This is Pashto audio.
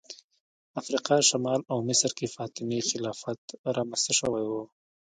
افریقا شمال او مصر کې فاطمي خلافت رامنځته کړی و